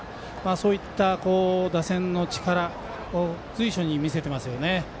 そういった打線の力随所に見せていますね。